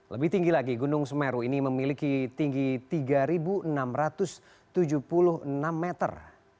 lebih tinggi lagi gunung semeru ini memiliki tinggi tiga enam ratus tujuh puluh enam meter